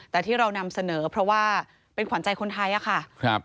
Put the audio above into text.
แต่ที่เรานำเสนอเพราะว่าเป็นขวัญใจคนไทยค่ะ